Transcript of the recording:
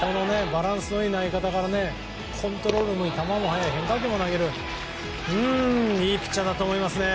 バランスのいい投げ方からコントロールの球も速い変化球も投げれるいいピッチャーだと思いますね。